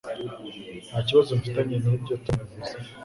Nta kibazo mfitanye nibyo Tom yavuze.